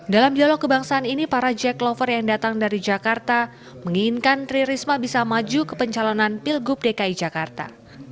dalam dialog kebangsaan ini para jack lover yang datang dari jakarta menginginkan tri risma bisa maju ke pencalonan pilgub dki jakarta